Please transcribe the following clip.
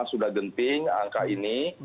sudah genting angka ini